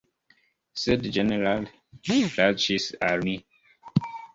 Sed ĝenerale plaĉis al mi.